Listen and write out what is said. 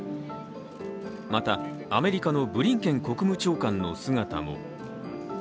また、アメリカのブリンケン国務長官の姿も。